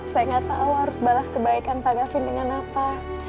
saya nggak tahu harus balas kebaikan pak gavin dengan apa